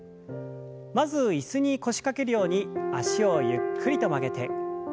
まず椅子に腰掛けるように脚をゆっくりと曲げて。